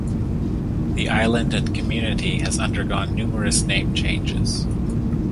The island and community has undergone numerous name changes.